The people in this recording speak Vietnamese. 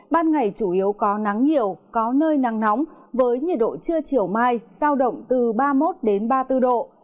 ban ngày chủ yếu có nắng nhiều có nơi nắng nóng với nhiệt độ chưa chiều mai sao động từ ba mươi một đến ba mươi bốn độ